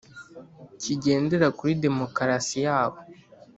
kigendera kuri demokarasi yabo